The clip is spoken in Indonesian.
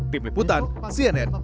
tim liputan cnn